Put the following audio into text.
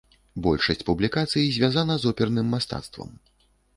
Большасць публікацый звязана з оперным мастацтвам.